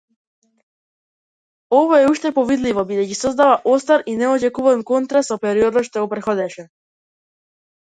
Ова е уште повидливо бидејќи создава остар и неочекуван контраст со периодот што претходеше.